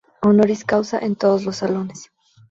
Honoris Causa, en todos los salones.